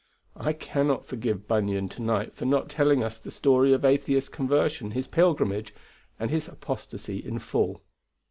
I cannot forgive Bunyan to night for not telling us the story of Atheist's conversion, his pilgrimage, and his apostasy in full.